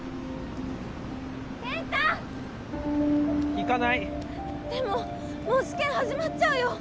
行かないでももう試験始まっちゃうよ